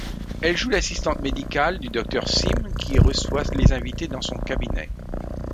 Elle joue l'assistante médicale du Docteur Cymes qui reçoit les invités dans son cabinet.